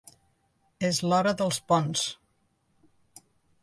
És l’hora dels ponts.